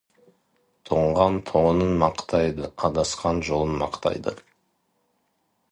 Тоңған тонын мақтайды, адасқан жолын мақтайды.